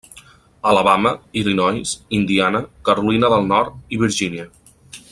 Alabama, Illinois, Indiana, Carolina del Nord i Virgínia.